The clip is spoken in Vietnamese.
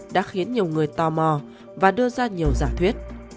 đã khiến nhiều người tò mò và đưa ra nhiều giả thuyết